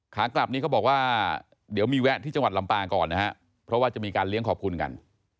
ขากลับนี้เขาบอกว่าเดี๋ยวมีแวะที่จังหวัดลำปางก่อนนะฮะเพราะว่าจะมีการเลี้ยงขอบคุณกัน